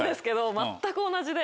全く同じで。